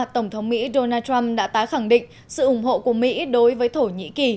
tổng thống mỹ donald trump đã tái khẳng định sự ủng hộ của mỹ đối với thổ nhĩ kỳ